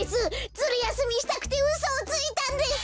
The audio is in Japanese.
ズルやすみしたくてうそをついたんです！